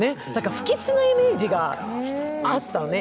不吉なイメージがあったのね。